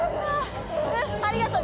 ありがとう。